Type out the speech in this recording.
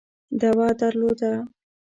دعوه درلوده.